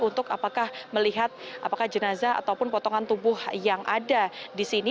untuk apakah melihat apakah jenazah ataupun potongan tubuh yang ada di sini